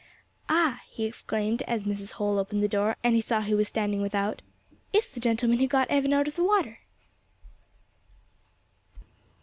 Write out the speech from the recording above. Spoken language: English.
"Ah!" he exclaimed, as Mrs. Holl opened the door, and he saw who was standing without, "it's the gentleman who got Evan out of the water."